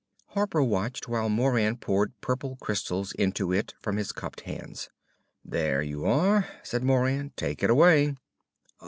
Harper watched while Moran poured purple crystals into it from his cupped hands. "There you are," said Moran. "Take it away."